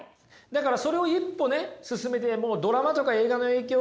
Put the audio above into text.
だからそれを一歩ね進めてもうドラマとか映画の影響